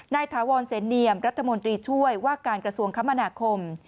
ถาวรเสนเนียมรัฐมนตรีช่วยว่าการกระทรวงคมนาคม